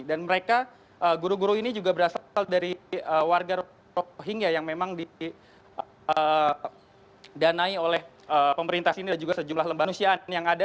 dan mereka guru guru ini juga berasal dari warga rohingya yang memang didanai oleh pemerintah sini dan juga sejumlah lembaga manusiaan yang ada